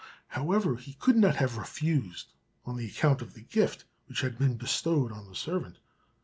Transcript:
However, he could not have refused on account of the gift which had been bestowed on the servant.